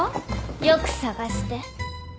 よく捜して。